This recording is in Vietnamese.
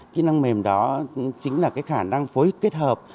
kỹ năng mềm đó chính là cái khả năng phối kết hợp